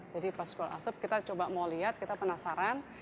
jadi pas keluar asap kita coba mau lihat kita penasaran